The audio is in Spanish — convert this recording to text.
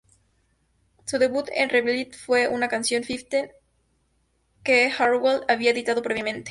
Su debut en "Revealed" fue su canción Fifteen, que Hardwell había editado previamente.